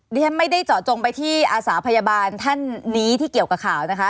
ดิฉันไม่ได้เจาะจงไปที่อาสาพยาบาลท่านนี้ที่เกี่ยวกับข่าวนะคะ